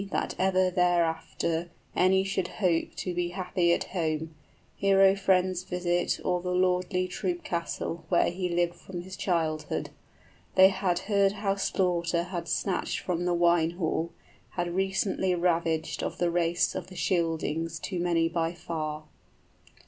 } That ever thereafter any should hope to Be happy at home, hero friends visit Or the lordly troop castle where he lived from his childhood; They had heard how slaughter had snatched from the wine hall, 35 Had recently ravished, of the race of the Scyldings {But God raised up a deliverer.} Too many by far.